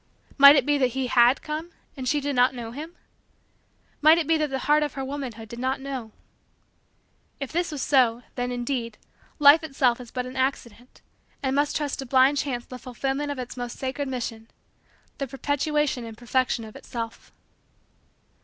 Might it be that he had come and she did not know him? Might it be that the heart of her womanhood did not know? If this was so then, indeed, Life itself is but an accident and must trust to blind chance the fulfillment of its most sacred mission the perpetuation and perfection of itself.